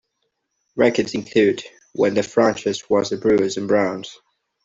Records include when the franchise was the Brewers and Browns.